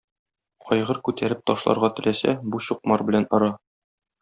Айгыр күтәреп ташларга теләсә, бу чукмар белән ора.